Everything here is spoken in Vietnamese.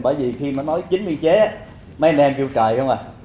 bởi vì khi mà nói chín biên chế mấy anh em kêu trời không à